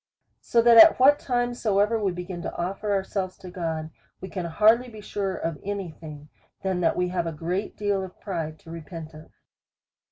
So that at what time soever we begin to offer ourselves to God, we can hardly be surer of any thing, than that we have a great deal of pride to repent of.